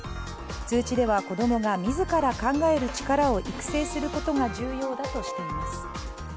通知では子供が自ら考える力を育成することが重要だとしています。